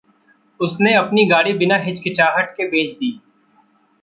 उसने अपनी गाड़ी बिना हिचकिचाहट हे बेच दी।